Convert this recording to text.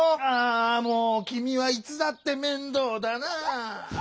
ああもうきみはいつだってめんどうだなぁ。